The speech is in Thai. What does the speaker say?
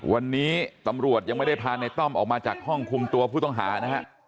วันนี้ตำรวจยังไม่ได้พาในต้อมออกมาจากห้องคุมตัวผู้ต้องหานะฮะ